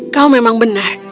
kau memang benar